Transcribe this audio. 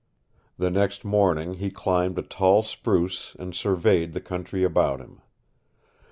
The next morning he climbed a tall spruce and surveyed the country about him.